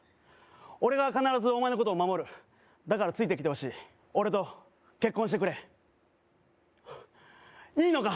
俺が必ずお前のことを守るだからついてきてほしい俺と結婚してくれいいのか？